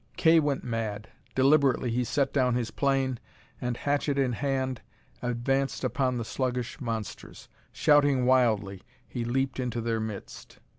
Kay went mad. Deliberately he set down his plane, and, hatchet in hand, advanced upon the sluggish monsters. Shouting wildly, he leaped into their midst.